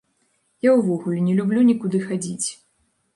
Я ўвогуле не люблю нікуды хадзіць.